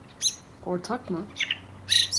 Ortak mı?